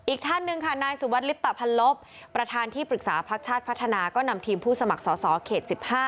อีกท่านหนึ่งค่ะนายสุวัสดิลิปตะพันลบประธานที่ปรึกษาพักชาติพัฒนาก็นำทีมผู้สมัครสอสอเขต๑๕